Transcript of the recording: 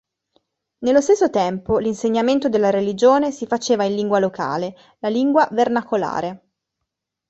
Nello stesso tempo l'insegnamento della religione si faceva in lingua locale, la "lingua vernacolare".